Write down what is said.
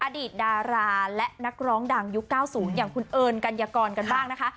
อดีตดาราและนักร้องดังยุค๙๐อย่างคุณเอิญกัญญากรกันบ้างนะคะ